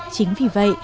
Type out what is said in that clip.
chính vì vậy